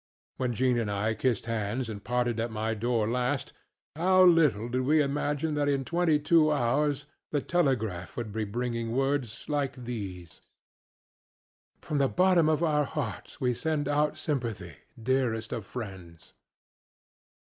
When Jean and I kissed hands and parted at my door last, how little did we imagine that in twenty two hours the telegraph would be bringing words like these: ŌĆ£From the bottom of our hearts we send our sympathy, dearest of friends.